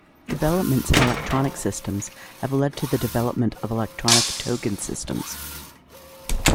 Developments in electronic systems have led to the development of electronic token systems.